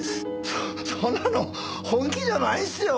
そそんなの本気じゃないっすよ。